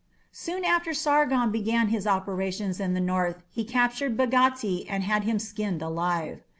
Soon after Sargon began his operations in the north he captured Bagdatti and had him skinned alive.